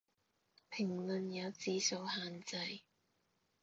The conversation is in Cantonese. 評論有字數限制